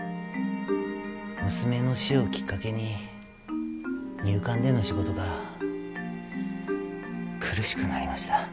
娘の死をきっかけに入管での仕事が苦しくなりました。